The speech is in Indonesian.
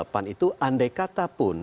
pan itu andai kata pun